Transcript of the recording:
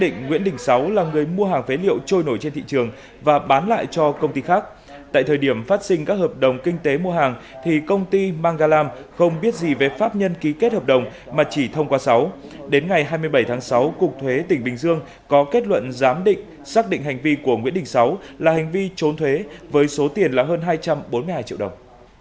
nguyễn đình sáu là người mua hàng phế liệu trôi nổi trên thị trường và bán lại cho công ty khác tại thời điểm phát sinh các hợp đồng kinh tế mua hàng thì công ty magalam không biết gì về pháp nhân ký kết hợp đồng mà chỉ thông qua sáu đến ngày hai mươi bảy tháng sáu cục thuế tỉnh bình dương có kết luận giám định xác định hành vi của nguyễn đình sáu là hành vi trốn thuế với số tiền là hơn hai trăm bốn mươi hai triệu đồng